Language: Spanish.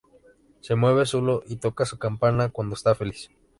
Se mueve solo y toca su campana cuando está feliz.